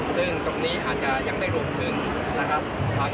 ซึ่งตรงนี้อาจจะยังไม่หลวงถึง